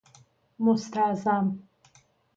مستعظم